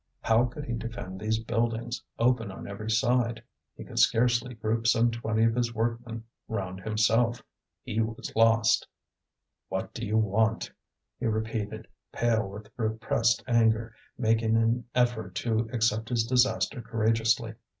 How could he defend these buildings, open on every side? he could scarcely group some twenty of his workmen round himself. He was lost. "What do you want?" he repeated, pale with repressed anger, making an effort to accept his disaster courageously.